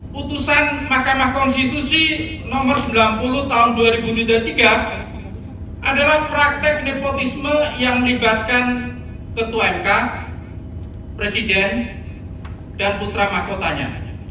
putusan mahkamah konstitusi nomor sembilan puluh tahun dua ribu dua puluh tiga adalah praktek nepotisme yang melibatkan ketua mk presiden dan putra mahkotanya